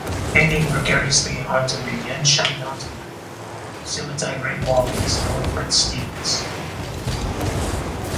Hanging precariously onto the Yanshan Mountain, Simatai Great Wall is known for its steepness.